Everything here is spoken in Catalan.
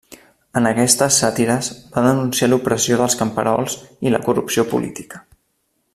En aquestes sàtires va denunciar l'opressió dels camperols i la corrupció política.